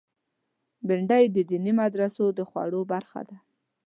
بېنډۍ د دیني مدرسو د خواړو برخه ده